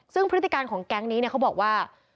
ซึ่งพฤติการของแก๊งนี้เขาบอกว่า